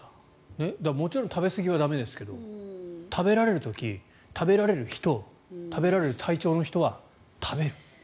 食べすぎは駄目ですが食べられる時食べられる人食べられる体調の人は食べる。